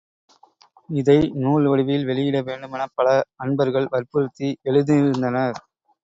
இதை நூல் வடிவில் வெளியிட வேண்டுமெனப் பல அன்பர்கள் வற்புறுத்தி எழுதியிருந்தனர்.